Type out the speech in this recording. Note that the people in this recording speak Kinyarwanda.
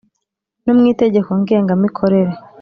no mu Itegeko ngengamikorere